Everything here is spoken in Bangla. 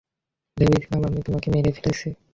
ভেবেছিলাম আমি তোমাকে মেরে ফেলেছি।